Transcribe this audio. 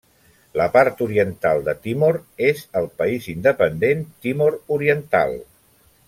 La part oriental de Timor és el país independent Timor Oriental.